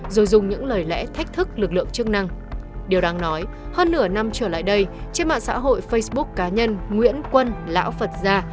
rồi dùng những lời lẽ thách thức lực lượng chức năng điều đáng nói hơn nửa năm trở lại đây trên mạng xã hội facebook cá nhân nguyễn quân lão phật gia